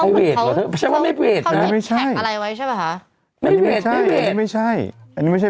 อันนี้ไม่ใช่อย่างอ้ะ